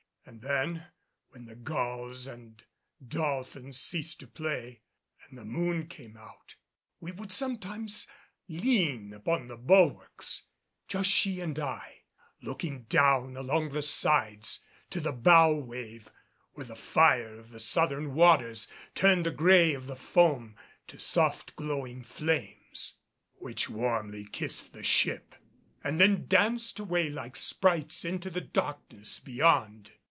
And then, when the gulls and dolphins ceased to play and the moon came out, we would sometimes lean upon the bulwarks, just she and I, looking down along the sides to the bow wave where the fire of the southern waters turned the gray of the foam to soft glowing flames which warmly kissed the ship and then danced away like sprites into the darkness beyond.